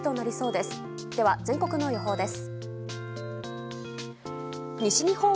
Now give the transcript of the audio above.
では全国の予報です。